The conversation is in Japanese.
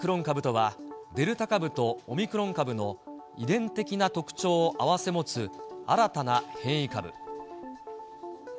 株とは、デルタ株とオミクロン株の、遺伝的な特徴を併せ持つ、新たな変異株。